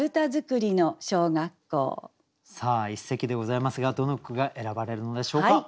さあ一席でございますがどの句が選ばれるのでしょうか。